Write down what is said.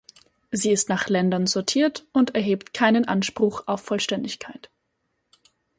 Sie ist nach Ländern sortiert und erhebt keinen Anspruch auf Vollständigkeit.